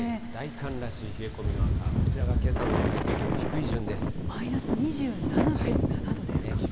大寒らしい冷え込みの朝、こちらがけさの最低気温の低い順でマイナス２７．７度ですか。